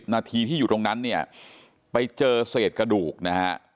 นาทีที่อยู่ตรงนั้นเนี่ยไปเจอเศษกระดูกนะฮะ